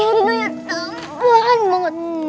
hidungnya tempuran banget